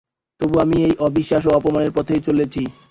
তবু আমি এই অবিশ্বাস ও অপমানের পথেই চলেছি।